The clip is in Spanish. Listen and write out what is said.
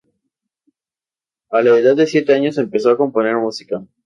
A la edad de siete años empezó a componer música.